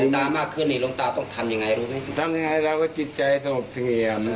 ทำยังไงเราก็จิตใจสงบสงียาม